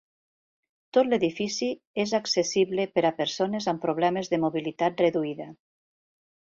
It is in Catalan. Tot l'edifici és accessible per a persones amb problemes de mobilitat reduïda.